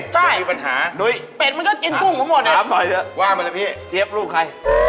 ใช่มันมีปัญหาเป็ดมันก็กินกุ้งหมดนี่ว่ามาแล้วพี่เชียบลูกใคร